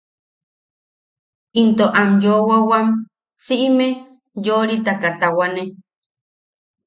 Into am yoowawam si’ime yo’oritaka tawane.